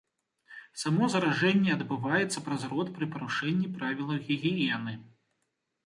Само заражэнне адбываецца праз рот пры парушэнні правілаў гігіены.